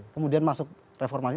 kemudian masuk reformasi